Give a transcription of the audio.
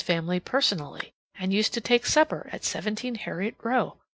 family personally, and used to take supper at 17 Heriot Row!